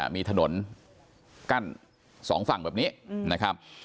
มีถนนกั้นสองฝั่งแบบนี้นะครับ